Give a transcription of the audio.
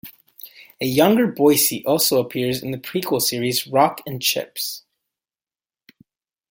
A younger Boycie also appears in the prequel series "Rock and Chips".